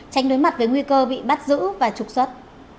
tranh đối mặt với nguy cơ bị bắt giữ và trục xuất